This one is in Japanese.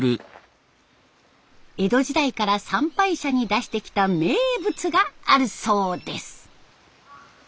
江戸時代から参拝者に出してきた名物があるそうです。